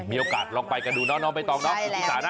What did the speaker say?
มีโอกาสลองไปกันดูเนอะไปต่อกันเนอะขอบคุณภาษานะ